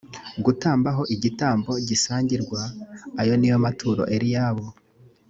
gutamba ho igitambo gisangirwa ayo ni yo maturo eliyabu